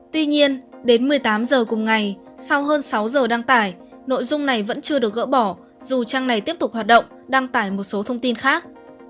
tuy nhiên đến một mươi tám h cùng ngày sau hơn sáu giờ đăng tải nội dung này vẫn chưa được gỡ bỏ dù trang này tiếp tục hoạt động đăng tải một số thông tin khác